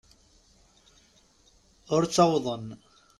Ur ttawḍen.